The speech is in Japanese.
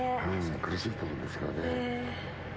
苦しいと思うんですよ。